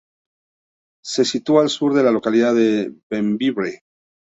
Se sitúa al sur de la localidad de Bembibre.